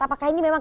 apakah ini memang